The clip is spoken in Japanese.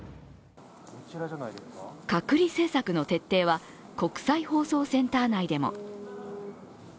隔離政策の徹底は国際放送センター内でも。